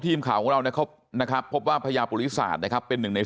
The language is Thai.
ทีมข่าวของเรานะครับพบว่าพญาปุริศาสตร์นะครับเป็นหนึ่งใน